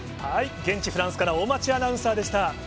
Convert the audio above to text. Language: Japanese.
現地フランスから、大町アナウンサーでした。